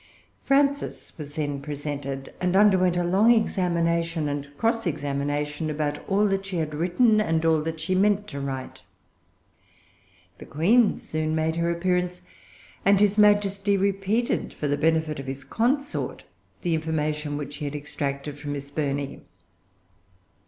Frances was then presented, and underwent a long examination and cross examination about all that she had written and all that she meant to write. The Queen soon made her appearance, and his Majesty repeated, for the benefit of his consort, the information which he had extracted from Miss Burney.